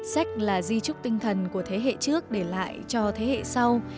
sách là di trúc tinh thần của thế hệ trước để lại cho thế hệ sau